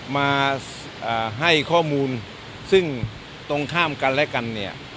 มาให้ข้อมูลซึ่งตรงข้ามกันและกันเนี่ย